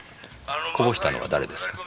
こぼしたのは誰ですか？